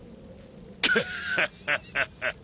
カハハハ。